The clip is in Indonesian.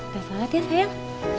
beser banget ya sayang